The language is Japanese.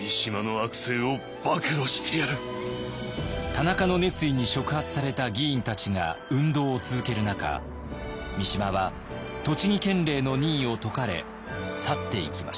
田中の熱意に触発された議員たちが運動を続ける中三島は栃木県令の任を解かれ去っていきました。